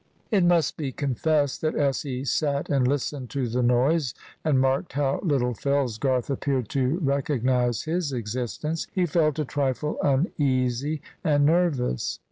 It must be confessed that as he sat and listened to the noise, and marked how little Fellsgarth appeared to recognise his existence, he felt a trifle uneasy and nervous.